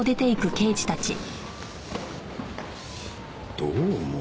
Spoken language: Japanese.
どう思う？